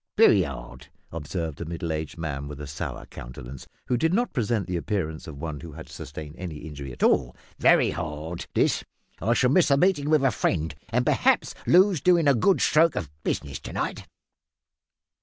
"Very hard," observed a middle aged man with a sour countenance, who did not present the appearance of one who had sustained any injury at all, "very hard this. I shall miss meeting with a friend, and perhaps lose doin' a good stroke of business to night."